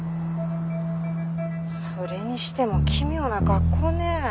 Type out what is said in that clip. それにしても奇妙な格好ね。